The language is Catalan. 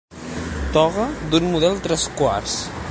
Toga d'un model tres-quarts.